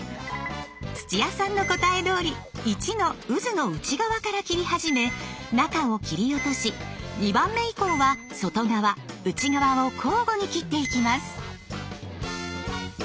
土屋さんの答えどおり１のうずの内側から切り始め中を切り落とし２番目以降は外側内側を交互に切っていきます。